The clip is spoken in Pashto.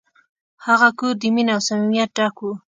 هغه کور د مینې او صمیمیت ډک و.